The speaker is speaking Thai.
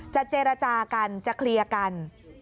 เจรจากันจะเคลียร์กัน